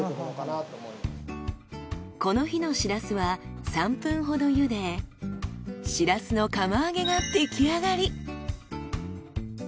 この日のシラスは３分ほど茹でシラスの釜揚げが出来上がり。